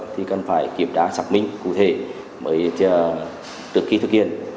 thì cần phải kiểm tra sạc minh cụ thể mới được thực hiện